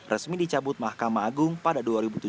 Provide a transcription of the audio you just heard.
resmi dicabut mahkamah agung pada dua ribu tujuh belas